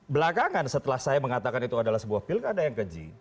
belakangan setelah saya mengatakan itu adalah sebuah pilkada yang keji